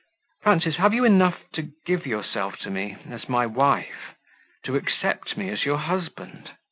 "Frances, have you enough to give yourself to me as my wife? to accept me as your husband?"